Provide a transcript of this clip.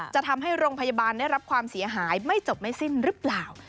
จะทำให้โรงพยาบาลได้รับความเสียหายไม่จบไม่สิ้นหรือเปล่า